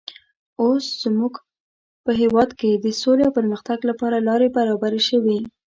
اوس زموږ په هېواد کې د سولې او پرمختګ لپاره لارې برابرې شوې.